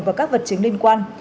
và các vật chứng liên quan